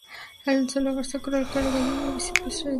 En su lugar se creó el cargo de vicepresidente.